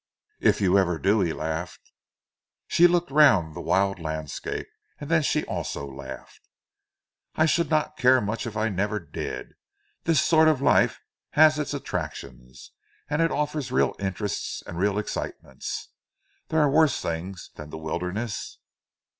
"If you ever do!" he laughed. She looked round the wild landscape, then she also laughed. "I should not care much if I never did. This sort of life has its attractions, and it offers real interests and real excitements. There are worse things than the wilderness."